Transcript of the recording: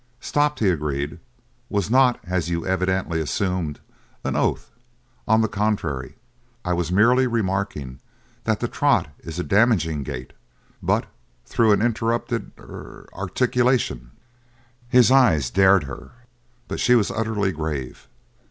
"Stopped," he agreed, "was not, as you evidently assumed, an oath. On the contrary, I was merely remarking that the trot is a damaging gait, but through an interrupted er articulation " His eye dared her, but she was utterly grave.